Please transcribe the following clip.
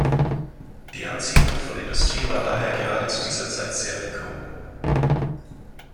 Die Ansiedlung von Industrie war daher gerade zu dieser Zeit sehr willkommen.